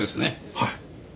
はい。